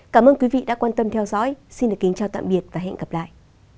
cảm ơn quý vị đã quan tâm theo dõi xin kính chào tạm biệt và hẹn gặp lại